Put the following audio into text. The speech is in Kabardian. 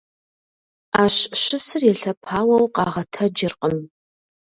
Ӏэщ щысыр елъэпауэу къагъэтэджыркъым.